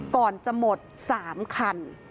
ก่อนจะหมด๓คัน